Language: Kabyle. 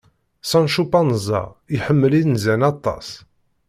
Sancu Panza iḥemmel inzan aṭas.